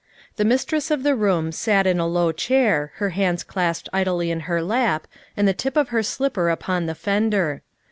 The mistress of the room sat in a low chair, her hands clasped idly in her lap and the tip of her slipper upon the fender.